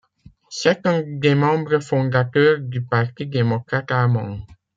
C'est un des membres fondateurs du Parti démocrate allemand.